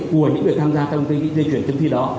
của những người tham gia trong kỳ thi trắc nghiệm